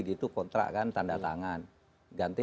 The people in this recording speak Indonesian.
gitu kontrak kan tanda tangan ganti